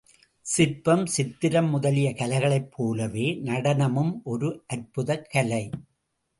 சிற்பம், சித்திரம் முதலிய கலைகளைப் போலவே நடனமும் ஒரு அற்புதக் கலை.